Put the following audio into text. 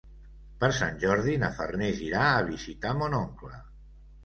Per Sant Jordi na Farners irà a visitar mon oncle.